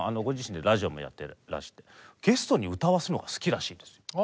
ご自身でラジオもやってらしてゲストに歌わすのが好きらしいんですよ。